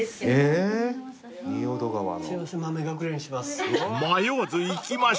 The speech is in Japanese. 豆隠れにします。